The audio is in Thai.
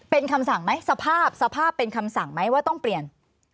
เป็นคำสั่งไหมสภาพสภาพเป็นคำสั่งไหมว่าต้องเปลี่ยน